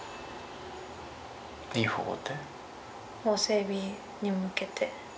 法整備に向けて。